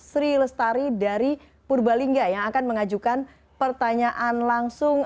sri lestari dari purbalingga yang akan mengajukan pertanyaan langsung